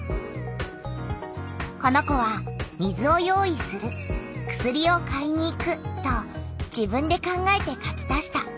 この子は「水を用意する」「薬を買いに行く」と自分で考えて書き足した。